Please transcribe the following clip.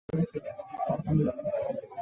爱知县蒲郡市出身。